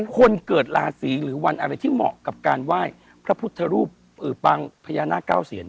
คนเกิดราศีหรือวันอะไรที่เหมาะกับการไหว้พระพุทธรูปปางพญานาคเก้าเซียน